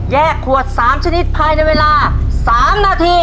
ขวด๓ชนิดภายในเวลา๓นาที